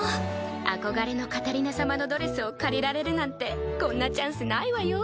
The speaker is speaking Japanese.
憧れのカタリナ様のドレスを借りられるなんてこんなチャンスないわよ。